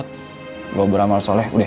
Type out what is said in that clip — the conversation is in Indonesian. saya beramal sholat sudah